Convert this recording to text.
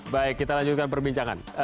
baik kita lanjutkan perbincangan